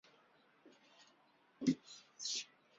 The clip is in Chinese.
濉城镇是中国福建省三明市建宁县下辖的一个镇。